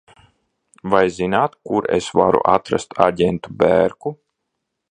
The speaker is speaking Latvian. Vai zināt, kur es varu atrast aģentu Bērku?